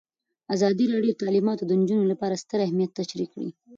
ازادي راډیو د تعلیمات د نجونو لپاره ستر اهميت تشریح کړی.